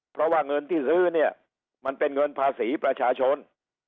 เพราะว่าเงินที่ซื้อเนี่ยมันเป็นเงินภาษีประชาชน